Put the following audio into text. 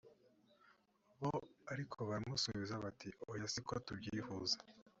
bo ark baramusubiza bati oya siko tubyifuza